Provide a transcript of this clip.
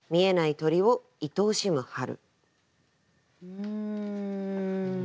うん。